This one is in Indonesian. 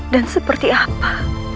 dan seperti apa